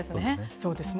そうですね。